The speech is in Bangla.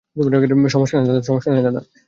সমস্যা নাই, দাদা।